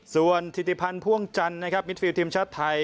ส่วนธิติพันธ์พ่วงจันทร์นะครับมิดฟิลทีมชาติไทย